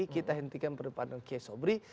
kita hentikan perdebatan kiai sobri